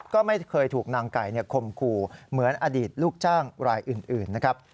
ก็ไม่เคยถูกนางไก่คมคู่เหมือนอดีตลูกจ้างรายอื่นนะครับ